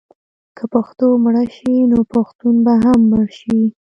که پښتو مړه شي نو پښتون به هم مړ شي.